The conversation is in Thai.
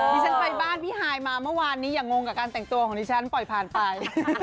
ดิฉันไปบ้านพี่ฮายมาเมื่อวานนี้อย่างงงกับการแต่งตัวของดิฉันปล่อยผ่านไป